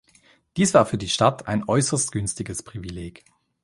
Dies war für die Stadt ein äußerst günstiges Privileg.